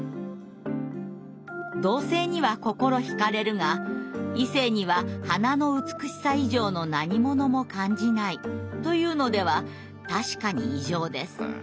「同性には心ひかれるが異性には花の美しさ以上の何ものも感じないというのではたしかに異常です。